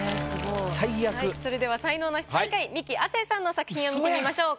それでは才能ナシ最下位ミキ亜生さんの作品を見てみましょう。